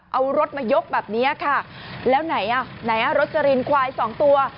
เอารถมายกแบบนี้ค่ะแล้วไหนอ่ะไหนอ่ะรสลินควายสองตัว